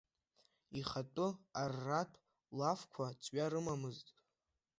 Ихатәы арратә лафқәа ҵҩа рымамызт.